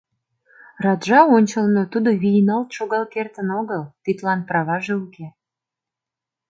раджа ончылно тудо вийналт шогал кертын огыл, тидлан праваже уке